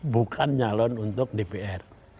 bukan nyalon untuk dpr